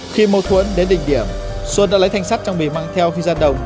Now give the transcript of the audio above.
khi mô thuẫn đến đỉnh điểm xuân đã lấy thanh sắt trong bì mang theo khi ra đồng